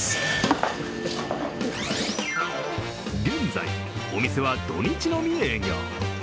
現在、お店は土日のみ営業。